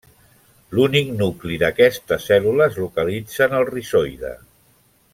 L'únic nucli d'aquesta cèl·lula es localitza en el rizoide.